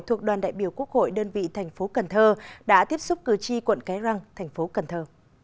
thuộc đoàn đại biểu quốc hội đơn vị thành phố cần thơ đã tiếp xúc cử tri quận cái răng thành phố cần thơ